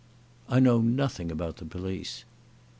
"I know nothing about the police."